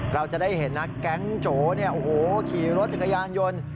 เราจะได้เห็นนะแก๊งโจขี่รถจักรยานยนต์